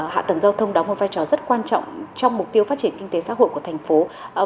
hạ tầng giao thông đóng một vai trò rất quan trọng trong mục tiêu phát triển kinh tế xã hội của thành phố